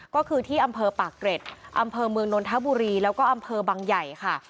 ก็คือที่อำเภอปากเกร็ดอำเภอเมืองนนทบุรีแล้วก็อำเภอบังใหญ่ค่ะ